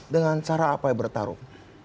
dengan cara apa yang bertarung